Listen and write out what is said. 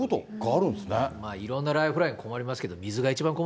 いろんなライフライン、困りそうですね。